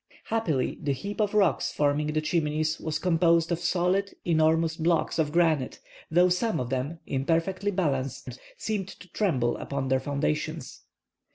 Happily the heap of rocks forming the Chimneys was composed of solid, enormous blocks of granite, though some of them, imperfectly balanced, seemed to tremble upon their foundations.